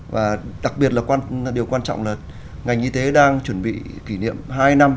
và đặc biệt là điều quan trọng là ngành y tế đang chuẩn bị kỷ niệm hai năm